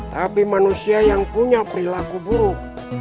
tapi manusia yang punya perilaku buruk